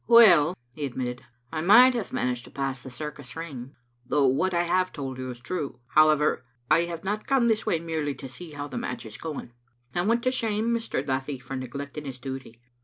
" Well," he admitted, " I might have managed to pass the circus ring, though what I have told you is true. However, I have not come this way merely to see how the match is going. I want to shame Mr. Duthie for neglecting his duty.